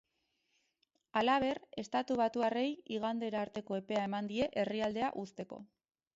Halaber, estatubatuarrei igandera arteko epea eman die herrialdea uzteko.